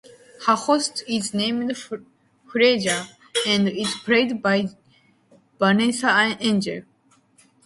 Her host is named Freyja, and is played by Vanessa Angel.